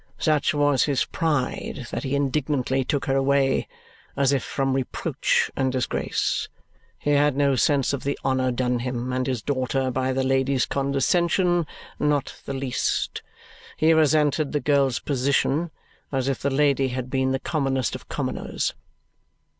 Such was his pride, that he indignantly took her away, as if from reproach and disgrace. He had no sense of the honour done him and his daughter by the lady's condescension; not the least. He resented the girl's position, as if the lady had been the commonest of commoners.